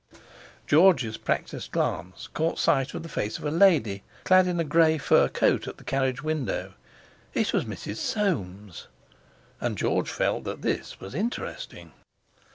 George's practised glance caught sight of the face of a lady clad in a grey fur coat at the carriage window. It was Mrs. Soames—and George felt that this was interesting!